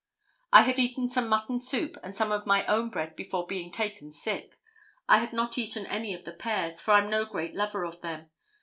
I had eaten some mutton soup and some of my own bread before being taken sick. I had not eaten any of the pears, for I'm no great lover of them.